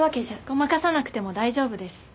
ごまかさなくても大丈夫です。